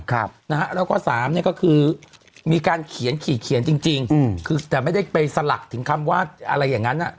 ครับนะฮะแล้วก็๓เนี่ยก็คือมีการเขียนขีดเขียนจริงแต่ไม่ได้ไปสลักถึงคำว่าอะไรอย่างนั้น